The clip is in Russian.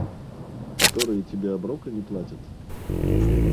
Которые тебе оброка не платят?